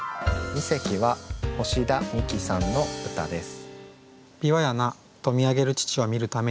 二席は星田美紀さんの歌です。